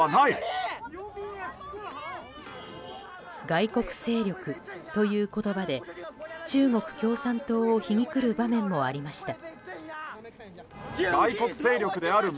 外国勢力という言葉で中国共産党を皮肉る場面もありました。